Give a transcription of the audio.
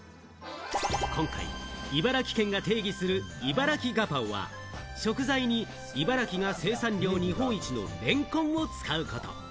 今回、茨城県が定義する、いばらきガパオは食材に茨城が生産量日本一のレンコンを使うこと。